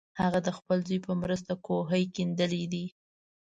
هغه د خپل زوی په مرسته کوهی کیندلی دی.